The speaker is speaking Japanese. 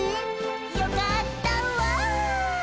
「よかったわ」